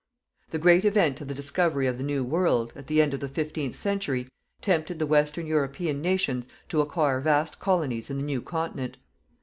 The great event of the discovery of the New World, at the end of the fifteenth century, tempted the western European nations to acquire vast colonies in the new continent.